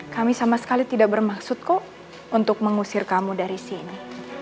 kami sama sekali tidak bermaksud kok untuk mengusir kamu dari sini